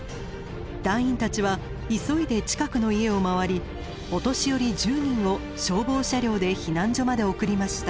団員たちは急いで近くの家を回りお年寄り１０人を消防車両で避難所まで送りました。